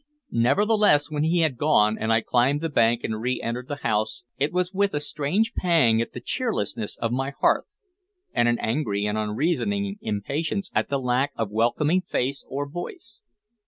Nevertheless, when he had gone, and I climbed the bank and reentered the house, it was with a strange pang at the cheerlessness of my hearth, and an angry and unreasoning impatience at the lack of welcoming face or voice.